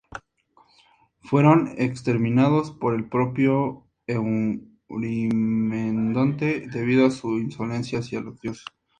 Pero fueron exterminados por el propio Eurimedonte debido a su insolencia hacia los dioses.